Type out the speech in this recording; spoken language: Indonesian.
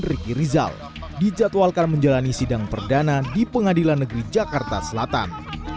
riki rizal dijadwalkan menjalani sidang perdana di pengadilan negeri jakarta selatan